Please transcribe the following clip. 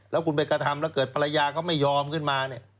แล้วคุณไปกระทำแล้วเกิดภรรยาเขาไม่ยอมขึ้นมาเนี่ย